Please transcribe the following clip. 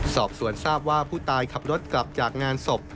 สอบสวนทราบว่าผู้ตายขับรถกลับจากงานศพ